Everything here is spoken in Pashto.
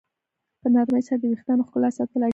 په نرمۍ سره د ویښتانو ښکلا ساتل اړین دي.